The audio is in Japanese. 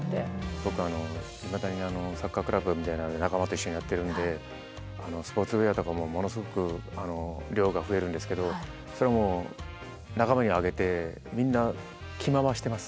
僕いまだにサッカークラブみたいなのを仲間と一緒にやってるんでスポーツウエアとかもものすごく量が増えるんですけどそれも仲間にあげてみんな着回してます。